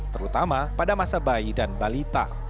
terutama pada masa bayi dan balita